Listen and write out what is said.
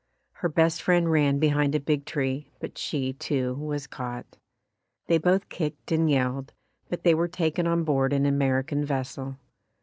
Her best friend ran behind a big tree, but she, too, was caught. They both kicked and yelled, but they were taken on board an American vessel.